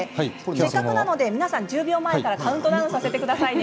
せっかくなので皆さん１０秒前からカウントダウンさせて下さいね。